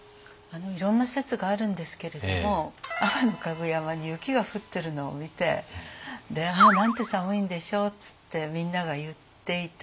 いろんな説があるんですけれども天香具山に雪が降ってるのを見て「ああなんて寒いんでしょう」っつってみんなが言っていた。